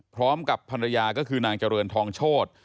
พร้อมกับภรรยาก็คือนางเจริญทองโชธ